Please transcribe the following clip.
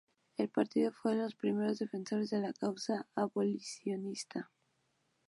El partido fue de los primeros defensores de la causa abolicionista.